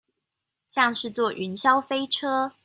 像是坐雲霄飛車